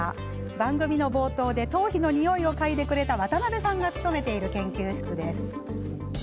番組の冒頭で頭皮のにおいを嗅いでくれた渡邉さんが勤めている研究室です。